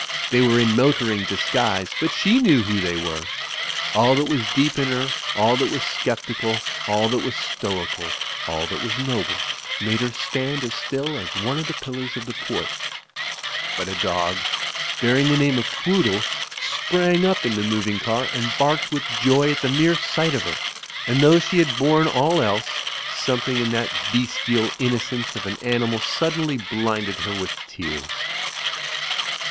They were in motoring disguise, but she knew who they were. All that was deep in her, all that was sceptical, all that was stoical, all that was noble, made her stand as still as one of the pillars of the porch ; but a dog, bearing the name of Quoodle, sprang up in the moving car, and barked with joy at the mere sight of her, and though she had borne all else, something in that bestial innocence of an animal suddenly blinded her with tears.